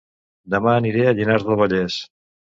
Dema aniré a Llinars del Vallès